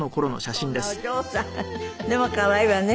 でも可愛いわね。